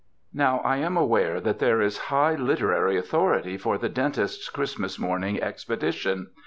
Now, I am aware that there is high literary authority for the dentist's Christmas morning ex pedition.